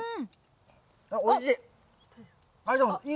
おいしい。